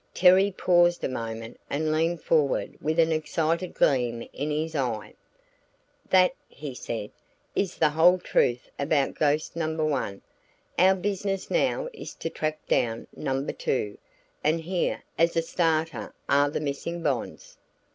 Terry paused a moment and leaned forward with an excited gleam in his eye. "That," he said, "is the whole truth about ghost number one. Our business now is to track down number two, and here, as a starter are the missing bonds."